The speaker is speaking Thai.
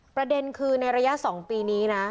ประเด็นคือในระยะ๒ปีนี้นะ